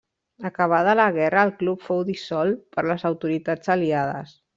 Acabada la Guerra, el club fou dissolt per les autoritats aliades.